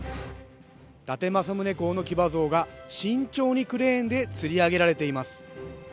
伊達政宗公の騎馬像が、慎重にクレーンでつり上げられています。